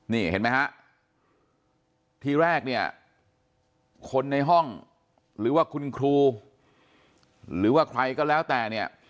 นี่เห็นไหมฮะทีแรกเนี่ยคนในห้องหรือว่าคุณครูหรือว่าใครก็แล้วแต่เนี่ย